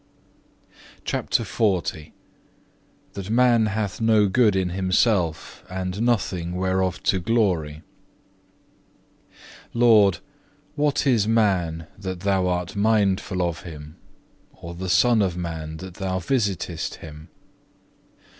CHAPTER XL That man hath no good in himself, and nothing whereof to glory Lord, what is man that Thou art mindful of him, or the son of man that Thou visitest him?